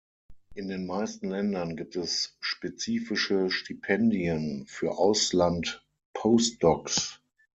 In den meisten Ländern gibt es spezifische Stipendien für Ausland-Postdocs.